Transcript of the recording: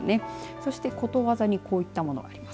そして、ことわざにこういったものがあります。